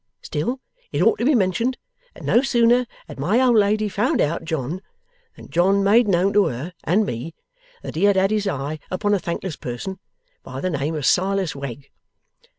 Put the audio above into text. Still, it ought to be mentioned that no sooner had my old lady found out John, than John made known to her and me that he had had his eye upon a thankless person by the name of Silas Wegg.